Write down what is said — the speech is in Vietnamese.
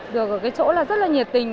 được ở cái chỗ rất là nhiệt tình